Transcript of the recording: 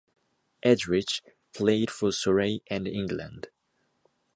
Edrich played for Surrey and England.